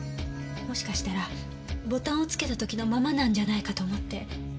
もしかしたらボタンをつけた時のままなんじゃないかと思って。